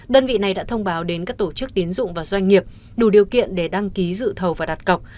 đơn vị này đã thông báo đến các tổ chức tiến dụng và doanh nghiệp đủ điều kiện để đăng ký dự thầu và đặt cọc